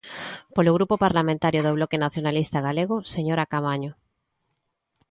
Polo Grupo Parlamentario do Bloque Nacionalista Galego, señora Caamaño.